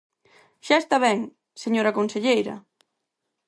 ¡Xa está ben, señora conselleira!